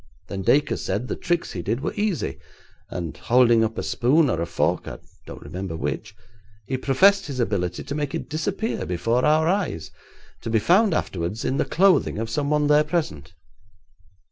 Then Dacre said the tricks he did were easy, and holding up a spoon or a fork, I don't remember which, he professed his ability to make it disappear before our eyes, to be found afterwards in the clothing of some one there present.